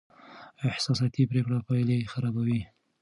احساساتي پرېکړې پایلې خرابوي.